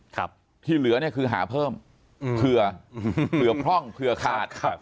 แต่คือหาเพิ่มเผื่อพร่องเผื่อขาด